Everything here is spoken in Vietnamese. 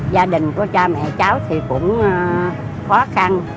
gia đình của cha mẹ cháu thì cũng khó khăn